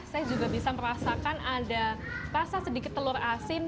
saya juga bisa merasakan ada rasa sedikit telur asin